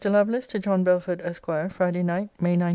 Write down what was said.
LOVELACE, TO JOHN BELFORD, ESQ. FRIDAY NIGHT, MAY 19.